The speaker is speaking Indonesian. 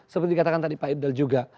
seperti dikatakan tadi pak ibn dal juga